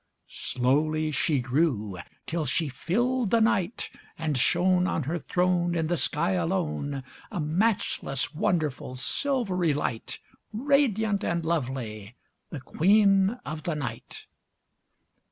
Slowly she grew ŌĆö till she filled the night, And shone On her throne In the sky alone, A matchless, wonderful silvery light, Radiant and lovely, the queen of the night.